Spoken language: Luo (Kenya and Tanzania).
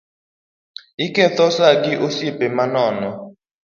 Iketho saa gi osiepe manono